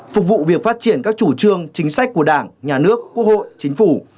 phục vụ việc phát triển các chủ trương chính sách của đảng nhà nước quốc hội chính phủ